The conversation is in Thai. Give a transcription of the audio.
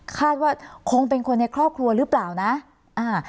คาดว่าคงเป็นคนในครอบครัวหรือเปล่านะอ่า